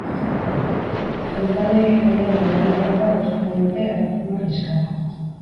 Jeltzaleek ekainaren amaierarako adostu nahi dute erreforma fiskala.